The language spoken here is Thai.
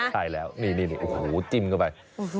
ใช่แล้วนี่โอ้โหจิ้มเข้าไป